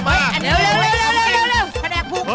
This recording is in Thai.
เอามาเลย